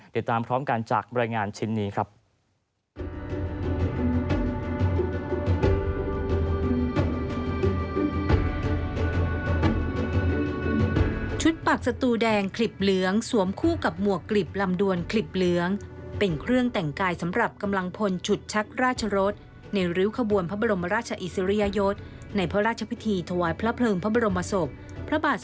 ติดตามพร้อมกันจากบรรยายงานชิ้นนี้ครับ